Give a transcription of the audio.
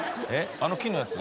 あの木のやつ。